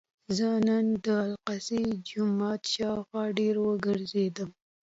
زه نن د الاقصی جومات شاوخوا ډېر وګرځېدم.